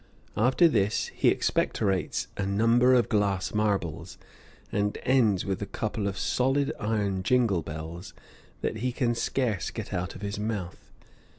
After this he expectorates a number of glass marbles, and ends with a couple of solid iron jingal balls that he can scarce get out of his mouth.